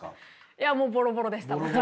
いやもうボロボロでしたもちろん。